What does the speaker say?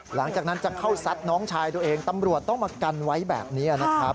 หลังจากนั้นจะเข้าซัดน้องชายตัวเองตำรวจต้องมากันไว้แบบนี้นะครับ